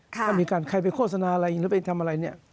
ถ้ามีการใครไปโฆษณาอะไรหรือไปทำอะไรเนี่ย